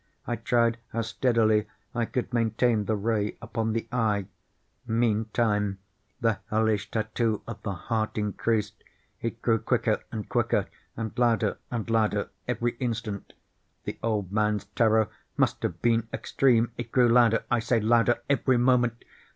I tried how steadily I could maintain the ray upon the eve. Meantime the hellish tattoo of the heart increased. It grew quicker and quicker, and louder and louder every instant. The old man's terror must have been extreme! It grew louder, I say, louder every moment!